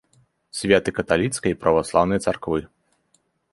Святы каталіцкай і праваслаўнай царквы.